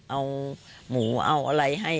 เอาหมูเอาอะไรให้